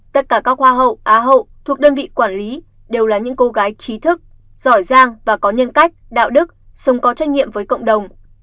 tất cả các hoa hậu á hậu thuộc đơn vị quản lý đều là những cô gái trí thức giỏi giang và có nhân cách đạo đức sống có trách nhiệm với cộng đồng